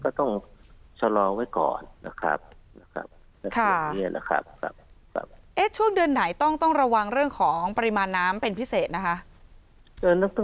ก็ต้องชะลอไว้ก่อนนะครับนะครับในช่วงนี้นะครับช่วงเดือนไหนต้องต้องระวังเรื่องของปริมาณน้ำเป็นพิเศษนะคะ